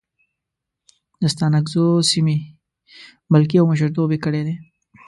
د ستانکزو سیمې ملکي او مشرتوب یې کړی دی.